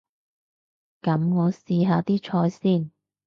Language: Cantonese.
噉我試下啲菜先